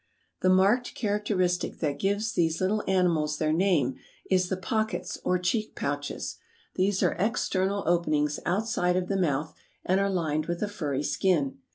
The marked characteristic that gives these little animals their name is the pockets or cheek pouches. These are external openings outside of the mouth and are lined with a furry skin.